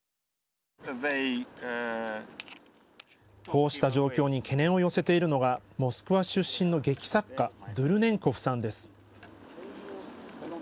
こうした状況に懸念を寄せているのがモスクワ出身の劇作家ドゥルネンコフさんです。